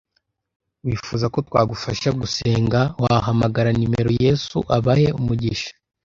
Wifuza ko twagufasha gusenga wahamagara nimero Yesu abahe umugisha!